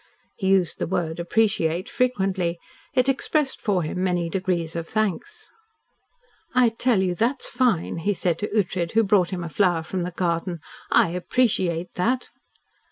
He used the word "appreciate" frequently. It expressed for him many degrees of thanks. "I tell you that's fine," he said to Ughtred, who brought him a flower from the garden. "I appreciate that."